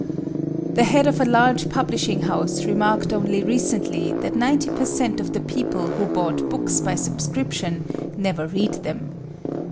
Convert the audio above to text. The head of a large publishing house remarked only recently that ninety per cent of the people who bought books by subscription never read them.